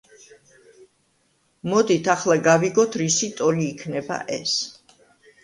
მოდით ახლა გავიგოთ რისი ტოლი იქნება ეს.